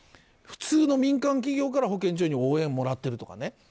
普通の民間企業とか保健所に応援をもらってるとかね。